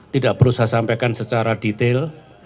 tidak perlu saya sampaikan secara detail